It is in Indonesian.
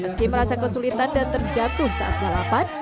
meski merasa kesulitan dan terjatuh saat balapan